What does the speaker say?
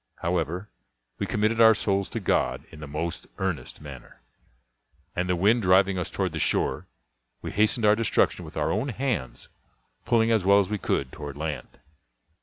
However, we committed our souls to God in the most earnest manner; and the wind driving us toward the shore, we hastened our destruction with our own hands, pulling as well as we could toward land.